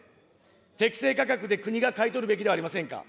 適正価格で国が買い取るべきではありませんか。